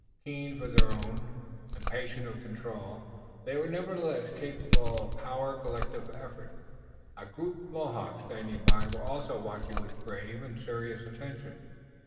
Keen for their own, impatient of control, they were nevertheless capable of powerful collective effort. A group of Mohawks standing by were also watching with grave and serious attention.